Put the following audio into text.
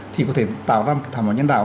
thì có thể tạo ra một thảm họa nhân đạo